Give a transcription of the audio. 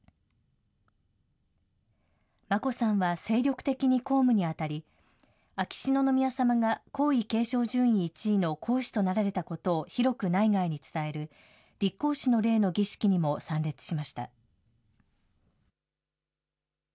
眞子さんは、精力的に公務に当たり、秋篠宮さまが皇位継承順位１位の皇嗣となられたことを広く内外に伝える、立皇嗣の礼の儀式にも参列しました。